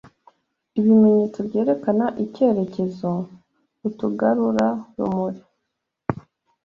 ibimenyetso byerekana icyerekezo utugarura-rumuri